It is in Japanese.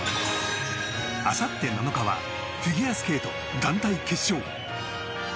あさって７日はフィギュアスケート団体決勝。